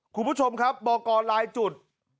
คุณผู้ชมครับบลายจุด